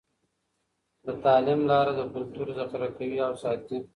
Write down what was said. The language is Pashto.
د تعلیم لاره د کلتور ذخیره کوي او ساتي.